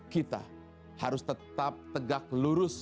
kita harus tetap tegak lurus